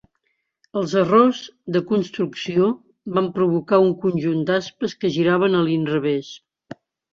Els errors de construcció van provocar un conjunt d'aspes que giraven a l'inrevés.